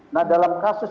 nah dalam kasus